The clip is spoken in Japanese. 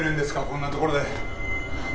こんなところで。